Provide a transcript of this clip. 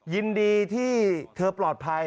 ยินดีที่เธอปลอดภัย